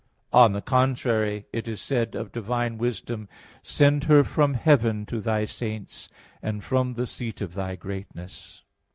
On the contrary, It is said of divine Wisdom (Wis. 9:10): "Send her from heaven to Thy Saints, and from the seat of Thy greatness."